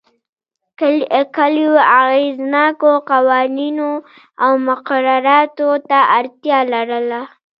کلیو اغېزناکو قوانینو او مقرراتو ته اړتیا لرله